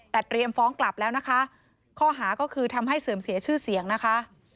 แต่เตรียมฟ้องกลับแล้วนะคะข้อหาก็คือทำให้เสื่อมเสียชื่อเสียงนะคะ